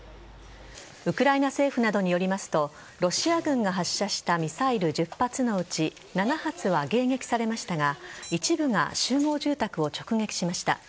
ウクライナ政府などによりますとロシア軍が発射したミサイル１０発のうち７発は迎撃されましたが一部が集合住宅を直撃しました。